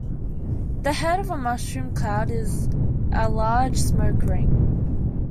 The head of a mushroom cloud is a large smoke ring.